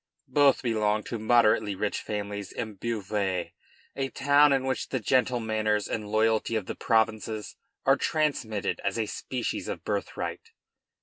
Both belonged to moderately rich families in Beauvais, a town in which the gentle manners and loyalty of the provinces are transmitted as a species of birthright.